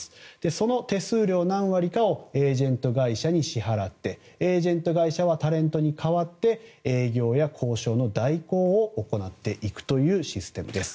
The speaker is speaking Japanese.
その手数料、何割かをエージェント会社に支払ってエージェント会社はタレントに代わって営業や交渉の代行を行っていくというシステムです。